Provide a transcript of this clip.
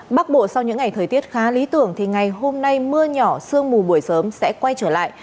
bắc bộ sau những ngày thời tiết khá lý tưởng thì ngày hôm nay mưa nhỏ sương mù buổi sớm sẽ quay trở lại